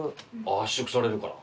圧縮されるから？